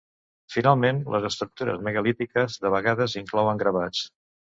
Finalment, les estructures megalítiques de vegades inclouen gravats.